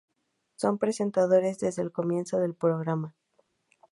Son presentadores desde el comienzo del programa.